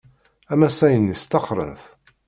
Amasay-nni sṭaxren-t.